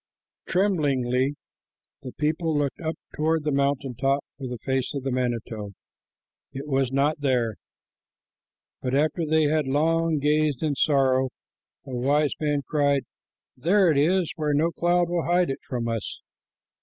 Tremblingly the people looked up toward the mountain top for the face of the manito. It was not there, but after they had long gazed in sorrow, a wise man cried, "There it is, where no cloud will hide it from us."